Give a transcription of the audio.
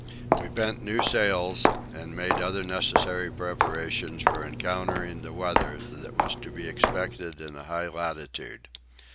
We bent new sails and made other necessary preparations for encountering the weather that was to be expected in a high latitude.